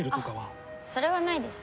あっそれはないです。